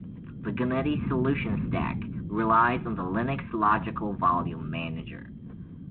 The Ganeti solution stack relies on the Linux Logical Volume Manager.